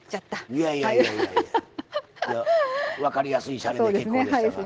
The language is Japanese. いやいや分かりやすいシャレで結構でしたが。